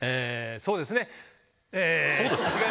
「そうですね」